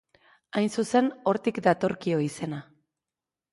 Hain zuzen, hortik datorkio izena.